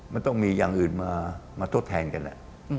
มันต้องมีอย่างอื่นมาทดแทนแน่